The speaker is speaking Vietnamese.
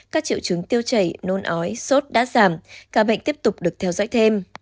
các triệu chứng tiêu chảy nôn ói sốt đã giảm ca bệnh tiếp tục được theo dõi thêm